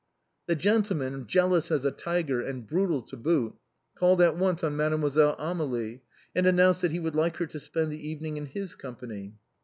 The gentleman, jealous as a tiger and brutal to boot, called at once on Mademoiselle Amélie, and announced that he would like her to spend the evening in his company.